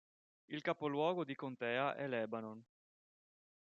Il capoluogo di contea è Lebanon.